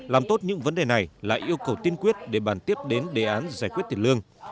làm tốt những vấn đề này là yêu cầu tiên quyết để bàn tiếp đến đề án giải quyết tiền lương